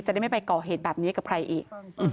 ได้ไม่ไปก่อเหตุแบบนี้กับใครอีก